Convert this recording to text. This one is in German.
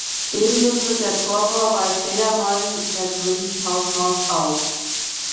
Ebenso tritt der Torpor bei Fledermäusen und der gewöhnlichen Hausmaus auf.